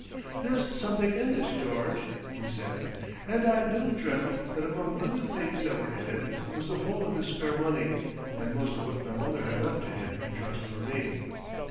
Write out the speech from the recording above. "There's something in this, George," he said, and I little dreamt that among other things that were in it, was the whole of his spare money and most of what my mother had left to him in trust for me.